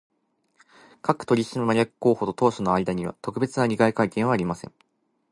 各取締役候補と当社との間には、特別な利害関係はありません